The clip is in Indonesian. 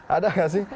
ada nggak sih